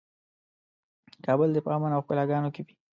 کابل دې په امن او ښکلاګانو کې وي.